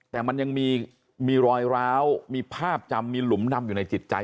แต่มันยังมีรอยร้าวมีภาพจำมีหลุมดำอยู่ในจิตใจ